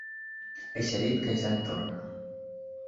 Eixerit que ja en torna.